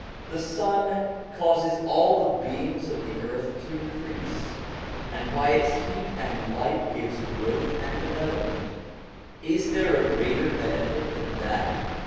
The sun causes all the beings of the earth to increase, and by its heat and light gives growth and development : is there a greater benefit than that?